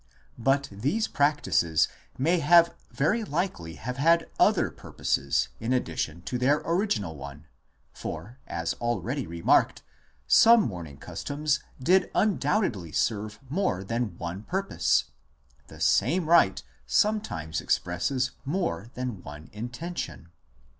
But these practices may very likely have had other purposes in addition to their original one ; for, as already remarked, some mourning customs did undoubtedly serve more than one purpose; the same rite sometimes expresses more than one intention.